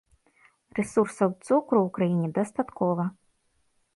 Рэсурсаў цукру ў краіне дастаткова.